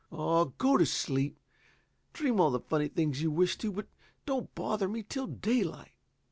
"Oh, go to sleep. Dream all the funny things you wish to, but don't bother me till daylight."